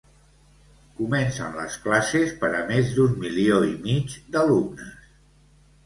Comencen les classes per a més d'un milió i mig d'alumnes.